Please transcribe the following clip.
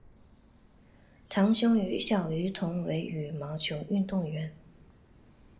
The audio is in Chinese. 堂兄于小渝同为羽毛球运动员。